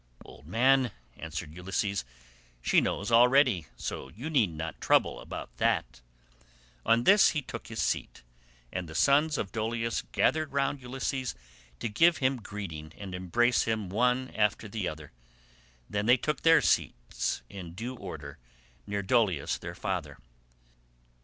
"Old man," answered Ulysses, "she knows already, so you need not trouble about that." On this he took his seat, and the sons of Dolius gathered round Ulysses to give him greeting and embrace him one after the other; then they took their seats in due order near Dolius their father.